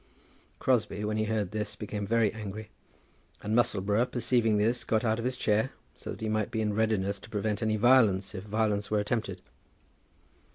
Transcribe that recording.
Crosbie, when he heard this, became very angry; and Musselboro, perceiving this, got out of his chair, so that he might be in readiness to prevent any violence, if violence were attempted.